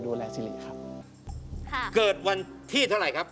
คุณฟังผมแป๊บนึงนะครับ